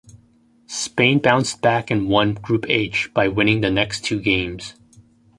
Spain bounced back and won group H by winning the next two games.